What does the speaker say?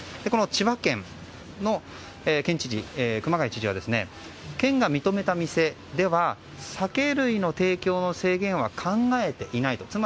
この千葉県の県知事、熊谷知事は県が認めた店では酒類の提供の制限は考えていないと。